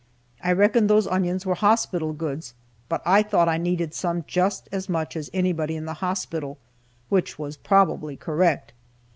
I reckon those onions were hospital goods, but I thought I needed some just as much as anybody in the hospital, which was probably correct.